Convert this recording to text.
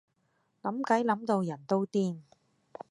諗計諗到人都癲